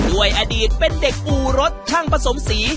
ด้วยอดีตเป็นเด็กอู่รถช่างผสมสี